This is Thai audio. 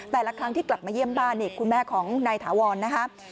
แต่ละครั้งที่กลับมาเยี่ยมบ้านนี่คุณแม่ของนายถาวรนะครับ